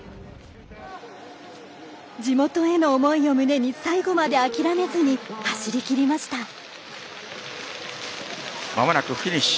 地元への思いを胸に最後まで諦めずに走りきりました。